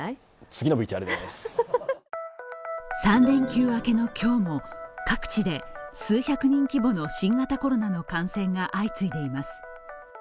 ３連休明けの今日も各地で数百人規模の新型コロナの感染が相次いでいます。